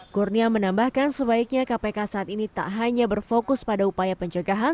kurnia menambahkan sebaiknya kpk saat ini tak hanya berfokus pada upaya pencegahan